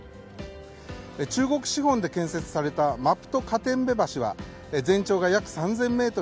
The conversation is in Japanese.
中国資本で建設されたマプト・カテンベ橋は全長が約３０００ｍ